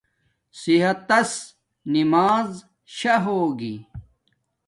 صحت تس نماز شا ہوگی